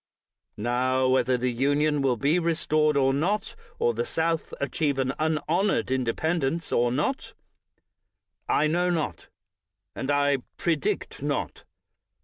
Now, whether the Union will be restored or not, or the South achieve an unhonored inde pendence or not, I know not, and I predict not.